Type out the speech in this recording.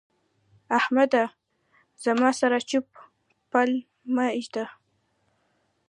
احمده! زما سره چپ پل مه اېږده.